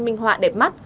có tranh minh họa đẹp mắt